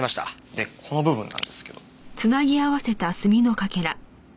でこの部分なんですけど。